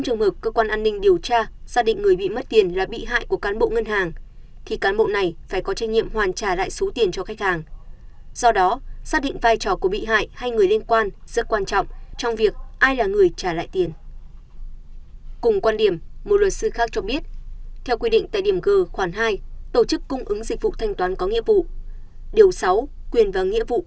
cơ quan điều tra sẽ xác định ai là bị hại trong vụ án ngân hàng hay khách hàng và sẽ có những cách trả lại tiền khác nhau